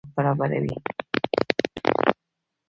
راعت د انسان ژوند ته خوراک او پوښاک برابروي.